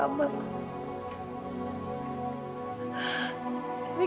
tapi kenapa dia itu harus bajem